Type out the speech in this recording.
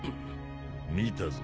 見たぞ。